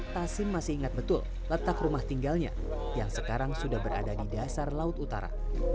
tasim masih ingat betul letak rumah tinggalnya yang sekarang sudah berada di dasar laut utara